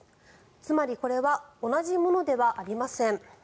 つまりこれは同じものではありません。